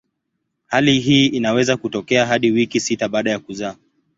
Hali hii inaweza kutokea hadi wiki sita baada ya kuzaa.